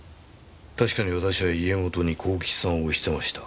確かに私は家元に幸吉さんを推してました。